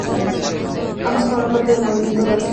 Ambos formaron parte del movimiento Dada de Zúrich.